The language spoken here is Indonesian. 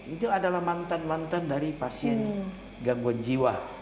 itu adalah mantan mantan dari pasien gangguan jiwa